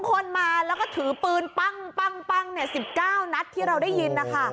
๒คนมาถือปืนปั๊ง๑๙นัทที่เราได้ยิน